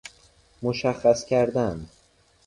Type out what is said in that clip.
مشخص کردن